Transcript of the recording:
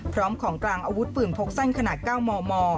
พร้อมของกลางอาวุธปืนพกสั้นขนาด๙มม